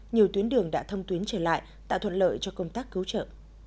nhiều tuyến đường đã thông tuyến trở lại tạo thuận lợi cho công tác cứu trợ